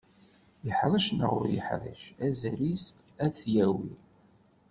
Yeḥrec neɣ ur yeḥric, azal-is ad t-yawi.